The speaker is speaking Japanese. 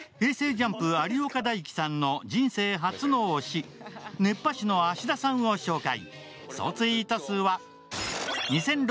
ＪＵＭＰ有岡大貴さんの人生初の推し、熱波師の芦田さんを紹介。